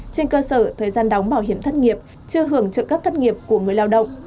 trên cơ sở thời gian đóng bảo hiểm thất nghiệp chưa hưởng trợ cấp thất nghiệp của người lao động